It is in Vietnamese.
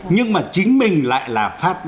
nhưng mà chính mình lại là